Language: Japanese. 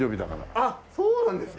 あっそうなんですか！